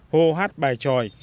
hô hát bài tròi